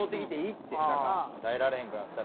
耐えられへんくなったら。